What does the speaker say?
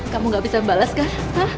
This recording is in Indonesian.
kamu gak bisa membalaskan